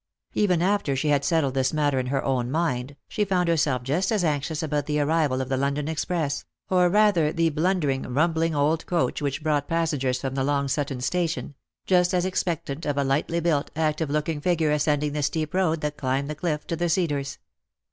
Even after she had settled this matter in her own mind, she found herself just as anxious about the arrival of the London express — or rather the blundering, rumbling old coach which brought passengers from the Long Sutton station— just as expectant of a lightly built, active looking figure ascending the steep road that climbed the cliff to the Cedars.